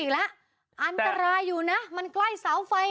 เหนืออันตรายอยู่มันใกล้เสาไฟ